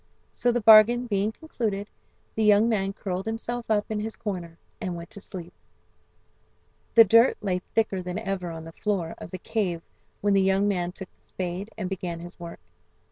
So the bargain being concluded, the young man curled himself up in his corner and went to sleep. The dirt lay thicker than ever on the floor of the cave when the young man took the spade and began his work.